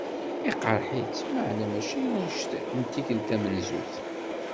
Iqreḥ-itt, maɛna mačči anect n tikelt tamenzut.